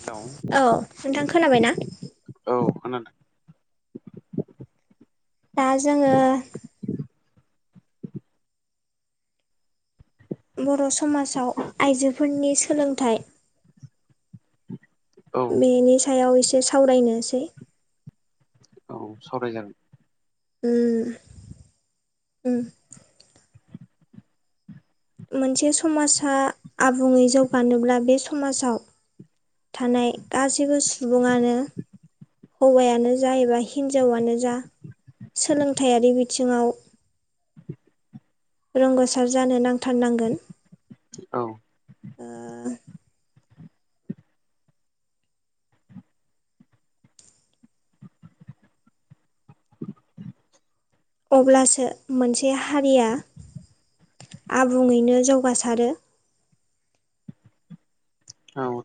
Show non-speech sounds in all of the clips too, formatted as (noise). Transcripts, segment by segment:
Hello औ नोंथां खोनाबायना औ खोनादों दा जोङो बर' समाजाव आइजोफोरनि सोलोंथाइ औ बेनि सायाव एसे सावरायनोसै औ सावरायजागोन उम उम मोनसे समाजा आबुङै जौगानोब्ला बे समाजाव थानाय गासैबो सुबुङानो हौवायानो जा एबा हिनजावानो जा सोलोंथाइयारि बिथिङाव रंगौसार जानो नांथारनांगोन औ अब्लासो मोनसे हारिया आबुङैनो जौगासारो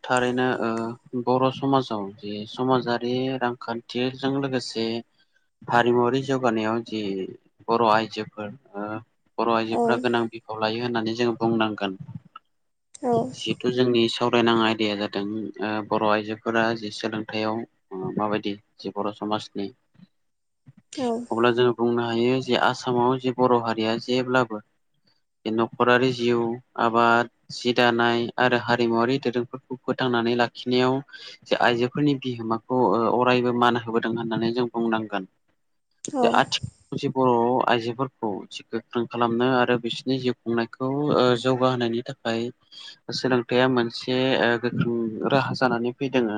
थारैनो बर' समाजाव जि समाजारि रांखान्थिजों लोगोसे हारिमुवारि जौगानायाव जि बर' आइजोफोर बर' आइजोफोरा औ गोनां बिफाव लायो होननानै जोंङो बुंनांगोन औ जिहेथु जोंनि सावरायनां आय दैया जाथों ओ बर' आइजोफोरा जि सोलोंथाइयाव ओ माबायदि जि बर' समासनि औ बुंनो हायो जे आसामाव जे बर' हारिया जेब्लाबो बे न'खरारि जिउ आबाद जि दानाय आरो हारिमुवारि दोरोंफोर फोथांनानै लाखिनायाव जे आइजोफोरनि बिहोमाखौ ओ अरायबो मान होबोदों होननानै जों बुंनांगोन। औ जे आथि जे बर' आइजोफोरखौ गोख्रों खालामनो आरो बिसोरनि जिउ खुंनायखौ ओ जौगाहोनायनि थाखाय ओ सोलोंथाइया मोनसे ओ गोख्रों राहा जानानै फैदोङो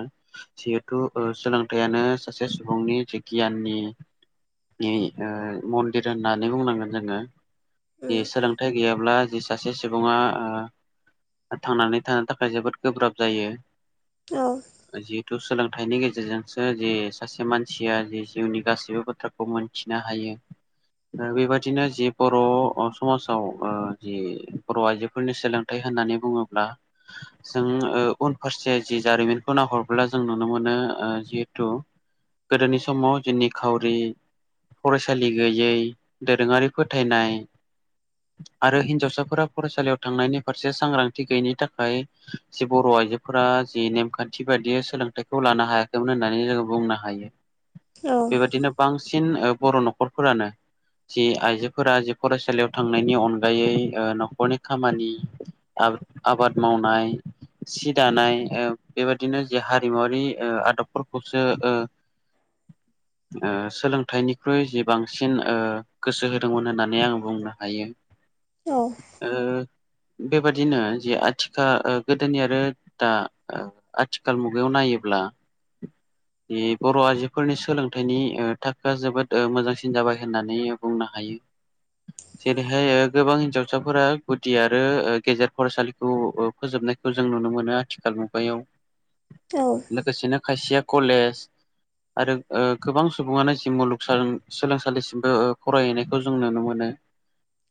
जिहेथु ओ सोलोंथाइयानो सासे सुबुंनि थि गियाननि नि ओ मन्दिर होननानै बुंनांगोन जोङो। उम दे सोलोंथाइ गैयाब्ला जि सासे सुबुङा ओ थांनानै थानो थाखाय जोबोद गोब्राब जायो औ जिहेथु सोलों थाइनि गेजेरजोंसो जे सासे मानसिया जे जिउनि गासिबो बाथ्राखौ मोनथिनो हायो। ओ बेबायदिनो जि बर' अ समाजाव ओ जि बर' आइजोफोरनि सोलोंथाइ होननानै बुङोब्ला (inaudible) जों ओ उनफारसे जि जारिमिनखौ नाहरब्ला जों नुनो मोनो ओ जिहेथु गोदोनि समाव जि निखावरि फरायसालि गैयै दोरोङारि फोथायनाय आरो हिनजावसाफोरा फरायसालियाव थांनायनि फारसे सांग्रांथि गैयैनि थाखाय जि बर' आइजोफोरा जि नेमखान्थि बायदियै सोलोंथाइखौ लानो हायाखैमोन होननानै जोङो बुंनो हाय औ बेबादिनो बांसिन ओ बर' न'खरफोरानो जि आइजोफोरा जि फरायसालियाव थांनायनि अनगायै ओ न'खरनि खामानि आ आबाद मावनाय सि दानाय ओ बेबायदिनो जे हारिमुवारि ओ आदबफोरखौसो ओ (inaudible) ओ सोलोंथाइनिख्रुइ हिबांसिन ओ गोसो होदोंमोन होननानै आं बुंनो हायो। औ ओ बेबादिनो जि आथिखा ओ गोदोनि आरो दा ओ आथिखाल मुगायाव नायोब्ला बे बर' आइजोफोरनि सोलोंथाइनि ओ थाखोआ जोबोद ओ मोजांसिन जाबाय होननानै बुंनो हाय (unintelligible) जेरैहाय ओ गोबां हिन्जावसाफोरा गुदि आरो ओ गेजेर फरायसालिखौ ओ फोजोबनाय खौ जों नुनो मोनो आथिखाल मुगायाव लोगोसेनो खायसेया कलेस आरो ओ गोबां सुबुङानो जि मुलुग सोलों सोलों सालिसिमबो ओ फरायहैनायखौ जों नुनो मोनो।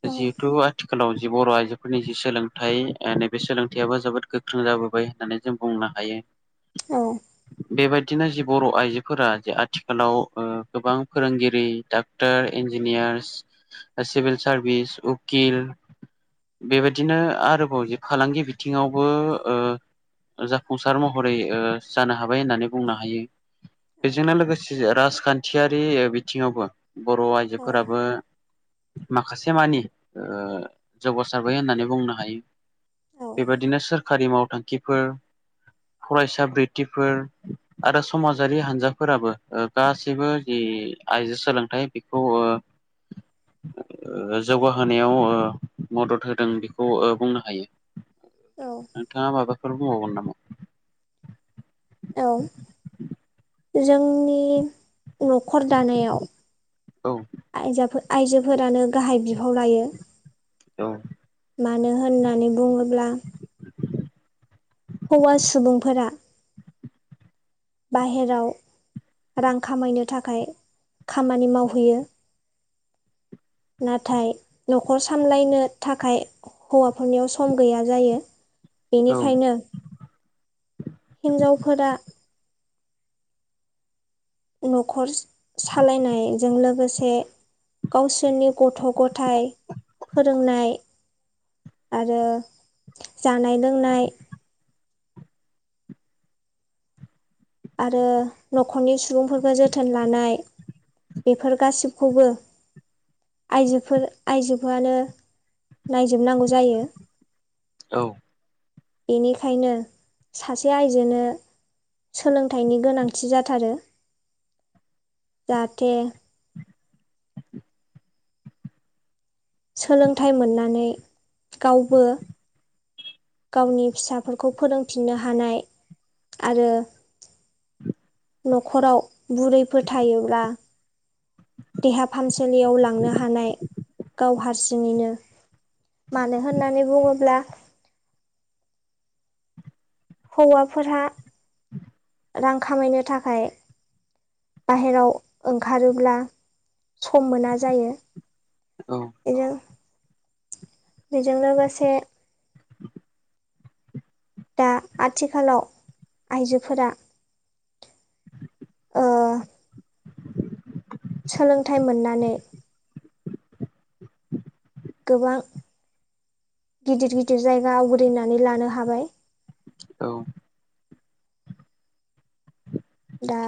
(unintelligible) औ जिहेथु आथिखालाव जि बर' आइजोफोरनि जि सोलोंथाइ नैबे सोलोंथाइआबो जोबोद गोख्रों जाबोबाय होननानै जों बुंनो हायो। बेबाद बिदिनो जि बर' आइजोफोरा जे आथिखालाव ओ गोबां फोरोंगिरि डाक्टर इन्जिनिया ओ ओ सिभिल सारभिस उकिल बेबायदिनो आरोबाव जे फालांगि बिथिङाव बो ओ जाफुंसार महरै ओ जानो हाबाय होननानै बुंनो हायो। बेजोंनो लोगोसे राजखान्थियारि बिथिङावबो बर' आइजोफोराबो माखासे मानि ओ जौगासारबाय होननानै बुंनो हायो। औ बेबाद सोरखारि मावथांखिफोर फरायसा बृतिफोर आरो समाजारि हान्जाफोराबो ओ गासैबो जि आइजो सोलोंथाइ बेखौ ओ जौगाहोनायाव ओ मदद होदों बेखौ ओ बुंनो हायो। (inaudible) नोंथाङा माबाफोरबो बुंबावगोन नामा? औ जोंनि न'खर दानायाव औ आयजोफोर आयजोफोरानो गाहाय बिफाव लायो। औ मानो होननानै बुङोब्ला हौवा सुबुंफोरा बाहेराव रां खामायनो थाखाय खामानि मावहैयो। नाथाय न'खर सामलायनो थाखाय हौवाफोरनियाव सम गैया जायो। औ बेनिखायनो हिनजावफोरा न'खर सालायनायजों लोगोसे गावसोरनि गथ' गथाइ फोरोंनाय आरो जानाय लोंनाय आरो न'खरनि सुबुंफोरखौ जोथोन लानाय बेफोर गासिबखौबो आइजोफोर आइजोफोरनो नायजोबनांगौ जायो। औ बेनिखायनो सासे आयजोनो सोलोंथाइनि गोनांथि जाथारो जाहाथे सोलोंथाइ मोननानै गावबो गावनि फिसाफोरखौ फोरोंफिननो हानाय आरो न'खराव बुरैफोर थायोब्ला देहा फाहामसालियाव लांनो हानाय। गाव हारसिङैनो मानो होननानै बुङोब्ला हौवाफोरहा रां खामायनो थाखाय बाहेराव ओंखारोब्ला सम मोना जायो। औ बिजों बेेजों लोगोसे दा आथिखालाव आइजोफोरा ओ सोलोंथाइ मोननानै गोबां गिदिर गिदिर जायगा आवग्रिनानै लानो हाबाय। औ दा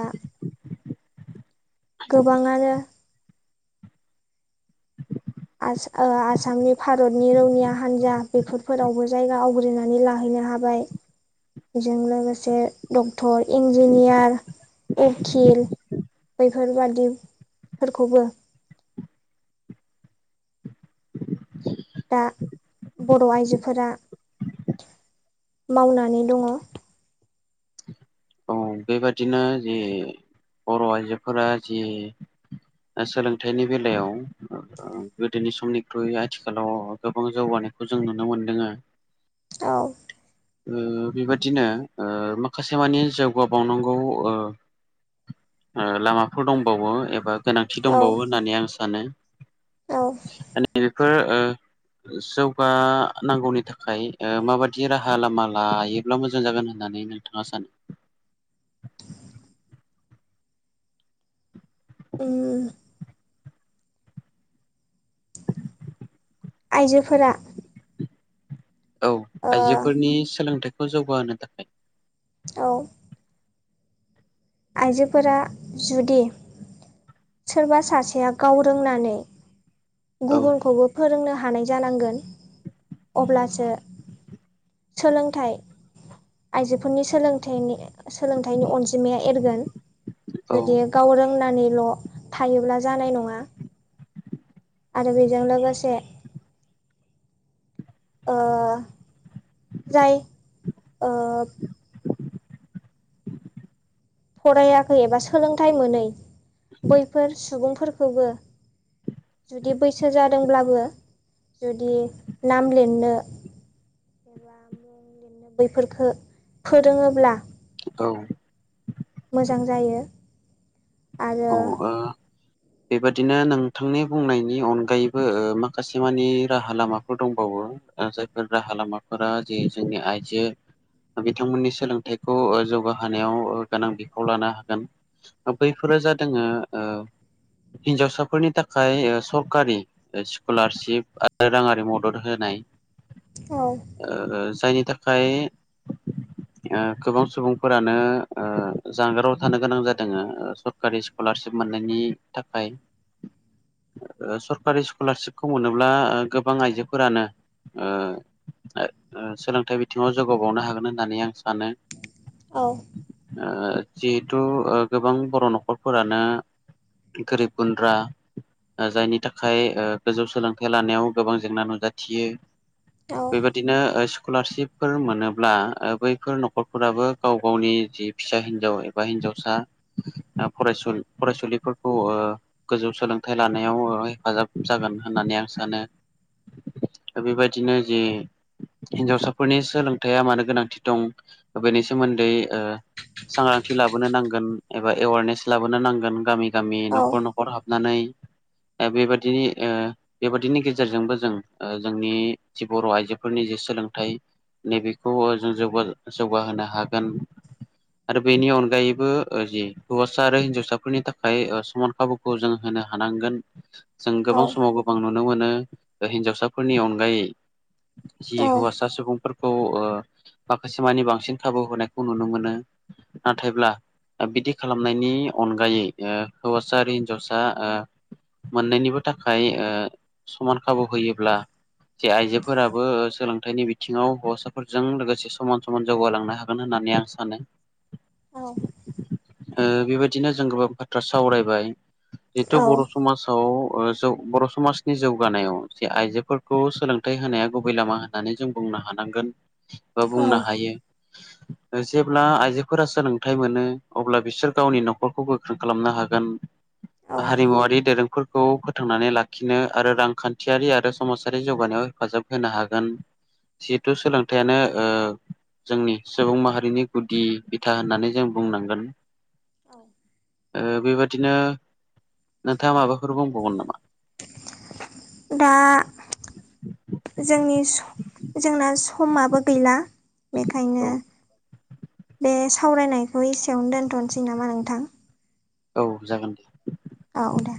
गोबाङानो आसामनि भारतनि रौनिया हान्जा बेफोरफोरावबो जायगा आवग्रिनानै लाहैयो हाबाय बेजों लोगोसे डक्टर इन्जिनियार उखिल बैफोरबादि फोरखौबो दा बर' आइजोफोरा मावनानै दङ। औ बेबादिनो जि बर' आइजोफोरा जि सोलोंथाइनि बेलायाव गोदोनि समनिख्रुइ आथिखालाव गोबां जौगानायखौ जों नुनो मोनदों आरो। औ ओ बेबादिनो ओ माखासे मानि जौ जोगाबावनांगौ ओ लामाफोर दंबावो एबा गोनांथि औ दंबावो होननानै आं सानो। औ (unintelligible) बेफोर ओ जौगानांगौनि थाखाय माबादि राहा लामा लायोब्ला मोजां जागोन होननानै नोंथाङा सानो उम आइजोफोरा औ ओ आइजोफोरनि सोलोंथाइखौ जौगाहोनो थाखाय औ आइजोफोरा जुदि सोरबा सासेया गाव रोंनानै औ गुबुनखौबो फोरोंनो हायो। हानाय जानांगोन अब्लासो सोलोंथाइ आइजोफोरनि सोलोंथाइ सोलोंथाइनि अनजिमाया जागोन औ जुदि गाव रोंनानै ल' थायोब्ला जानाय नङा। आरो बेजों लोगोसे ओ जाय ओ फरायाखै एबा सोलोंथाइ मोनै बैफोर सुबुंफोरखौबो जुदि बैसो जादोंब्लाबो जुदि नाम लिरनो बि बैफोरफोरखौ फोरोङोब्ला औ मोजां जायो आरो ओ बेबादिनो नोंथांनि बुंनायनि अनगायैबो माखासे मानि राहा लामाफोर दंबावो। जायफोर राहा लामाफोरा जे जोंनि आइजो बिथांमोननि सोलोंथाइखौ ओ जौगाहोनायाव गोनां बिफाव लानो हागोन बैफोरो जादों जोंङो ओ हिन्जावसाफोरनि थाखाय ओ सरकारि स्कलारशिप आरो राङारि मदद होनाय। औ ओ जायनि थाखाय ओ गोबां सुबुंफोरानो ओ जानगाराव थानो गोनां जादों ओ सरकारि स्कलारशिप मोननायनि थाखाय (inaudible) ओ सरकारि स्कलारशिपखौ मोनोब्ला गोबां आइजोफोरानो ओ ओ सोलोंथाइ बिथिङावनो जौगाबावनो हागोन होननानै आं सानो। औ ओ जिहेथु ओ गोबां बर' न'खरफोरानो गारिब गुन्द्रा ओ जायनि ओ थाखाय गोजौ सोलोंथाइ लानायाव गोबां जेंना नुजाथियो। औ बेबायदिनो ओ सु स्कलारशिपफोर मोनोब्ला ओ बैफोर न'खरफोराबो गाव गावनि जि फिसा हिनजाव एबा हिन जावसा ओ फरायसुलिफोरखौ ओ गोजौ सोलोंथाइ लानायाव ओ हेफाजाब जागोन होननानै होननानै आं सानो। (inaudible) बेबायदिनो जे हिनजावसाफोरनि सोलोंथाइया मानो गोनांथि दं बेनि सोमो न्दै ओ सांग्रांथि लाबोनो नांगोन एबा एवारनेस लाबोनो नांगोन गामि गामि न'खर न'खर हाबनानै। (inaudible) बेबायदिनि ओ बेबादिनि गेजेरजोंबो जों ओ जोंनि जि बर' आइजोफोरनि जि सो सोलोंथाइ नैबेखौ ओ जों जौगाहोनो हागोन। आरो बेनि अनगायैबो ओ जि हौवासा आरो हिन्जावसाफोरनि ओ थाखाय समान खाबुखौ जों होनो हानांगोन। जों औ गोबां समाव गोबां नुनो मोनो हिन्जावसाफोरनि अनगायै जि हौवासा सुबुंफोर (inaudible) माखासे मानि बांसिन खाबु होनायखौ नुनो मोनो नाथायब्ला दा बिदि खालामनायनि अनगायै हौवासा आरो हिन्जावसा ओ मोननायनिबो थाखाय ओ समान खाबु होयोब्ला जे आइजोफोराबो सोलोंथाइनि बिथिङाव हौवासाफोरजों लोगोसे समान समान जौगालांनो हागोन होनना होनानै आं सानो। औ बेबायदिनो जों गोबां बाथ्रा सावरायबाय जिथु औ औ बर' समाजाव ओ जौ बर' समाजनि जौगानायाव जे आइजोफोरखौ सोलोंथाइ होनाया गुबै लामा होननानै जों बुङो नो हानांगोन। बा बुंनो औ हायो जेब्ला आइजोफोरा सोलोंथाइ मोनो अब्ला बिसोर गावनि न'खरखौ गोख्रों खालामनो हागोन औ हारिमुवारि दोरोंफोर खौ फोथांनानै लाखिनो आरो रांखान्थियारि आरो समाजारि जौगानायाव हेफाजाब होनो हागोन। जिहेथु सोलोंथाइयानो ओ जोंनि सुबुं माहारिनि गुदि बिथा होननानै जों बुंनांगोन औ ओ बेबादिनो नोंथाङा माबाफोर बुंबावमोन नामा? दा जोंनि स जोंना समाबो गैला। बेखायनो औ बे सावरायनायखौ एसेयावनो दोनथ'नोसै नामा नोंथां? औ जागोन दे। औ दे